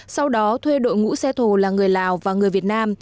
sau đó thuê đội ngũ xe thù là người lào và người việt nam